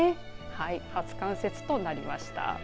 初冠雪となりました。